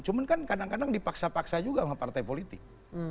cuma kan kadang kadang dipaksa paksa juga sama partai politik